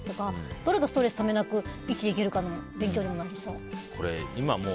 どうすれば自分が無理なく生きていけるかの勉強にもなりそう。